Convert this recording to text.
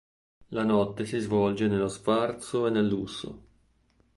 La notte si svolge nello sfarzo e nel lusso.